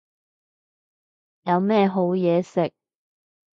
有咩好嘢食